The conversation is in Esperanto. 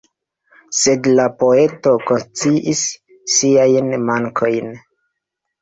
Sed la poeto konsciis siajn mankojn.